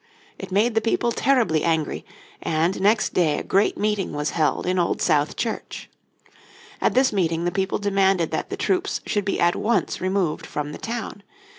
It made the people terribly angry, and next day a great meeting was held in Old South Church. At this meeting the people demanded that the troops should be at once removed from the town.